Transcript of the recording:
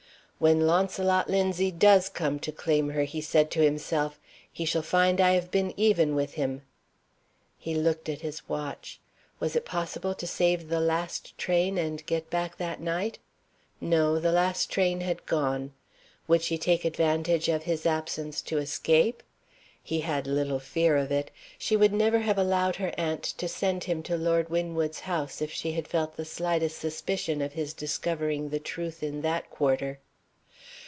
"When Launcelot Linzie does come to claim her," he said to himself, "he shall find I have been even with him." He looked at his watch. Was it possible to save the last train and get back that night? No the last train had gone. Would she take advantage of his absence to escape? He had little fear of it. She would never have allowed her aunt to send him to Lord Winwood's house, if she had felt the slightest suspicion of his discovering the truth in that quarter.